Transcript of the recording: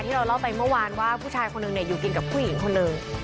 เราเล่าไปเมื่อวานว่าผู้ชายคนหนึ่งอยู่กินกับผู้หญิงคนหนึ่ง